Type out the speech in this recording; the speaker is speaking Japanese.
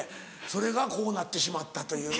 それがこうなってしまったという。